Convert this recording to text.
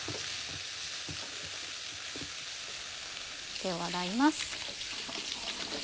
手を洗います。